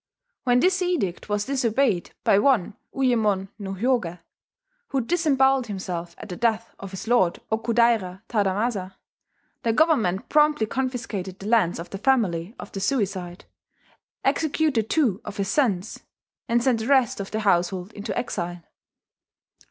When this edict was disobeyed by one Uyemon no Hyoge, who disembowelled himself at the death of his lord, Okudaira Tadamasa, the government promptly confiscated the lands of the family of the suicide, executed two of his sons, and sent the rest of the household into exile.